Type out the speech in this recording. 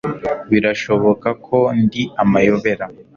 Birashoboka ko ndi amayobera